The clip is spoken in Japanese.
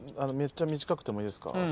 めっちゃ短くてもいいですか。